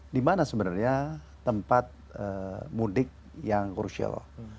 di mana sebenarnya tempat mudik yang kursial